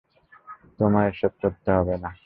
তোমার এসব করতে হবে না।